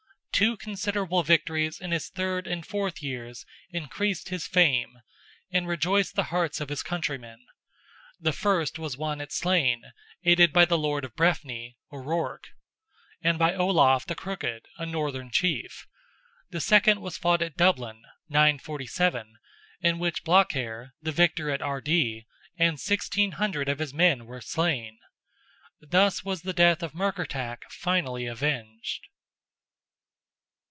Two considerable victories in his third and fourth years increased his fame, and rejoiced the hearts of his countrymen: the first was won at Slane, aided by the Lord of Breffni (O'Ruarc), and by Olaf the Crooked, a northern chief. The second was fought at Dublin (947), in which Blacair, the victor at Ardee, and 1,600 of his men were slain. Thus was the death of Murkertach finally avenged.